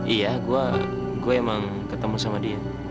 iya gua gua emang ketemu sama dia